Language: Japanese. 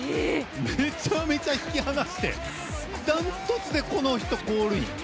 めちゃめちゃ引き離してダントツでこの人、ゴールイン。